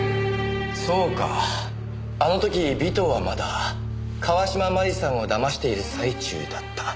そうかあの時尾藤はまだ川島真里さんを騙している最中だった。